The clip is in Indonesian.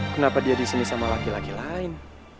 kenapa dia disini sama laki laki lain